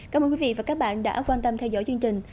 cảm ơn quý vị và các bạn đã quan tâm theo dõi chương trình